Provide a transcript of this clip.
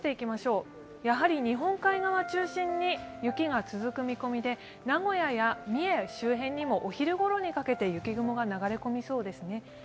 やはり日本海側中心に雪が続く見込みで名古屋や三重周辺にもお昼ごろにかけて雪雲が流れ込みそうですね。